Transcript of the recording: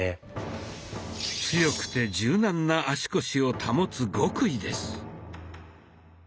強くて柔軟な足腰を保つ極意です。